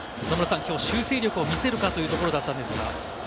今日、修正力を見せるかというところだったんですが。